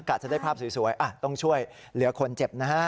จะได้ภาพสวยต้องช่วยเหลือคนเจ็บนะฮะ